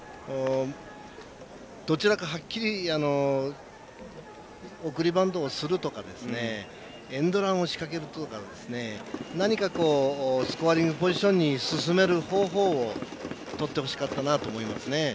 どちらかはっきり送りバントをするとかエンドランを仕掛けるとか何かスコアリングポジションに進める方向をとってほしかったなと思いますね。